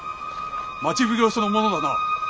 町奉行所の者だな。